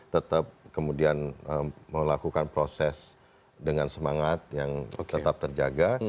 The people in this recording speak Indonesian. tetap kemudian melakukan proses dengan semangat yang tetap terjaga